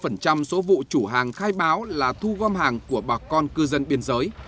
phần trăm số vụ chủ hàng khai báo là thu gom hàng của bà con cư dân biên giới